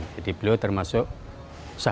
jadi beliau termasuk syah bandar kota gersik